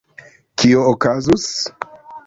Kio okazus?